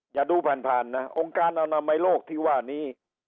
อย่าดูผ่านนะองค์การอนามัยโลกที่ว่านี้